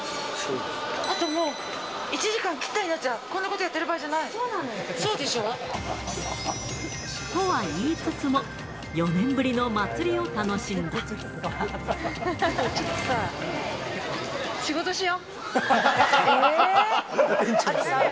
あともう１時間ぴったりじゃん、こんなことやってる場合じゃそうなのよ。とは言いつつも、４年ぶりのちょっとさ、仕事しよ。